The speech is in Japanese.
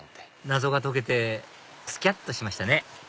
謎が解けてスキャットしましたね